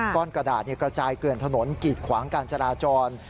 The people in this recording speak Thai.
ก้อนกระดาษกระจายเกลื่อนถนนกีดขวางการจราจร